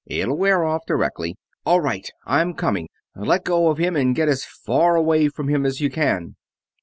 It'll wear off directly.... All right, I'm coming! Let go of him and get as far away from him as you can!"